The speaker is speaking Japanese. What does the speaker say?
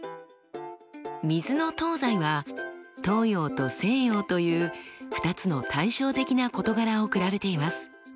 「水の東西」は東洋と西洋という２つの対照的な事柄を比べています。